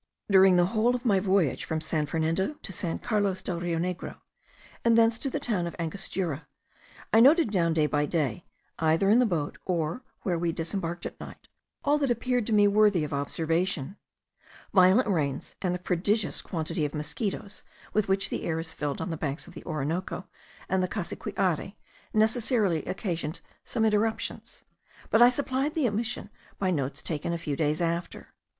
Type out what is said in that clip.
During the whole of my voyage from San Fernando to San Carlos del Rio Negro, and thence to the town of Angostura, I noted down day by day, either in the boat or where we disembarked at night, all that appeared to me worthy of observation. Violent rains, and the prodigious quantity of mosquitos with which the air is filled on the banks of the Orinoco and the Cassiquiare, necessarily occasioned some interruptions; but I supplied the omission by notes taken a few days after.